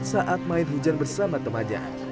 saat main hujan bersama temannya